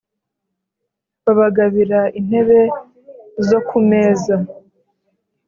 Babagabira intebe zo ku meza!